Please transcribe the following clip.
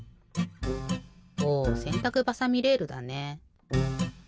おせんたくばさみレールだね。